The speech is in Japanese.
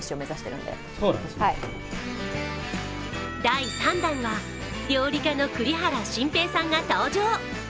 第３弾は料理家の栗原心平さんが登場。